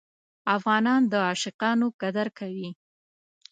افغانان د عاشقانو قدر کوي.